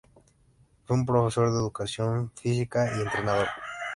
Fue un Profesor de educación física y entrenador.